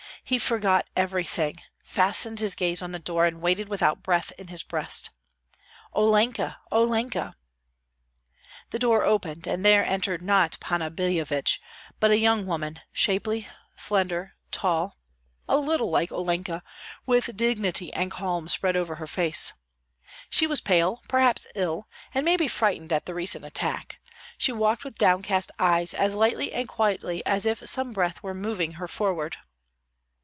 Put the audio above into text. He forgot everything, fastened his gaze on the door, and waited without breath in his breast. "Olenka! Olenka!" The door opened, and there entered not Panna Billevich, but a young woman, shapely, slender, tall, a little like Olenka, with dignity and calm spread over her face. She was pale, perhaps ill, and maybe frightened at the recent attack; she walked with downcast eyes as lightly and quietly as if some breath were moving her forward.